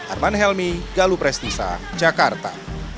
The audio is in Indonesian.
arman helmi galup restisa jakarta